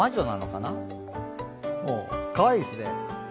かわいいですね。